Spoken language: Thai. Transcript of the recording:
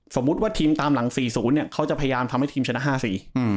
สมมุติว่าทีมตามหลังสี่ศูนย์เนี่ยเขาจะพยายามทำให้ทีมชนะ๕๔